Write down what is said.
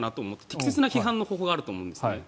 適切な批判の方法があると思うんです。